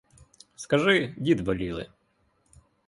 Скажи — дід веліли.